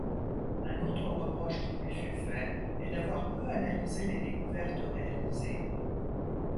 Un autre reproche qui lui fut fait est d'avoir peu analysé les découvertes réalisées.